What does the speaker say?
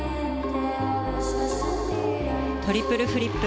トリプルフリップ。